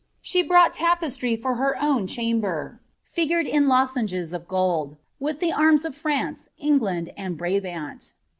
She brought tapestry for her own chamber, figured in of gold, with the arms of France, England, and Brabant.